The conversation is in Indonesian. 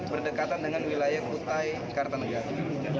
berdekatan dengan wilayah kutai karta negara